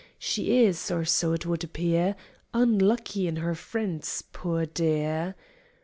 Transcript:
(She is, or so it would appear, Unlucky in her friends, poor dear!)